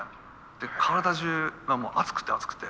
で体中がもう熱くて熱くて。